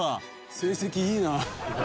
「成績いいな！」